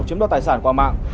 chiếm đoạt tài sản qua mạng